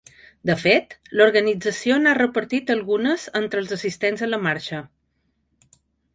De fet, l’organització n’ha repartit algunes entre els assistents a la marxa.